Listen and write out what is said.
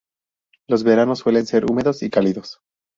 Los veranos suelen ser húmedos y cálidos.